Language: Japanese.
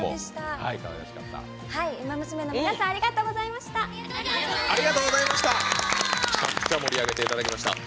ウマ娘の皆さんありがとうございました。